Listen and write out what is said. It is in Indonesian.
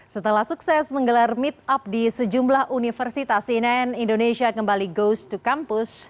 setelah sukses menggelar meet up di sejumlah universitas inen indonesia kembali goes to campus